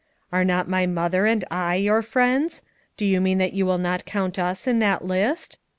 "Are not my mother and I your friends? Do you mean that you will not count us in that list!"